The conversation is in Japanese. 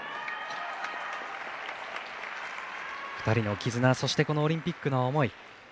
２人の絆そして、オリンピックの思い。